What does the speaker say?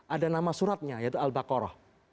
ada nama suratnya yaitu al baqarah